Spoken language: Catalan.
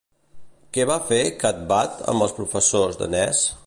Què va fer Cathbad amb els professors de Ness?